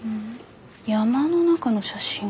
山の中の写真？